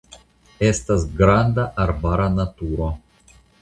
Estas granda arbara naturo.